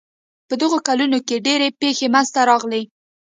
په دغو کلونو کې ډېرې پېښې منځته راغلې.